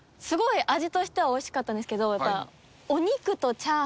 すごい味としてはおいしかったんですけど。